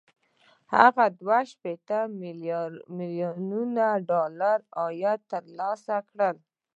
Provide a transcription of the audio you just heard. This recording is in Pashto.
هغه دوه شپېته ميليونه ډالر عاید ترلاسه کړ